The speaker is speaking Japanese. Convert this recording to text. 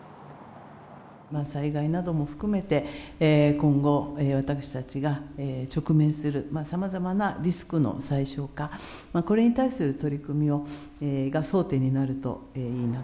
災害なども含めて、今後、私たちが直面する、さまざまなリスクの最小化、これに対する取り組みが争点にな